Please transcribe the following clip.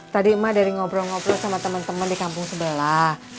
tadi ma dari ngobrol ngobrol sama temen temen di kampung sebelah